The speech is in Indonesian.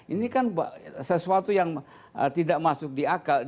ini kan sesuatu yang tidak masuk di akal